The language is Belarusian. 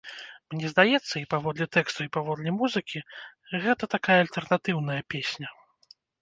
Мне здаецца, і паводле тэксту і паводле музыкі, гэта такая альтэрнатыўная песня.